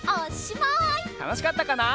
たのしかったかな？